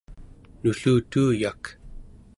nullutuuyak